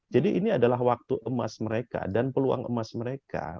jadi ini adalah waktu emas mereka dan peluang emas mereka